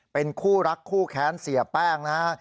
เป็นคู่รักคู่แค้นเสียแป้งนะฮะ